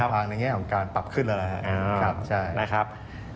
เป็นภารกรณะแขนของการปรับขึ้นกันล่ะครับ